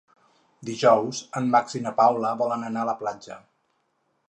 Dijous en Max i na Paula volen anar a la platja.